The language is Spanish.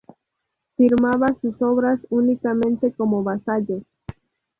Firmaba sus obras únicamente como Vasallo.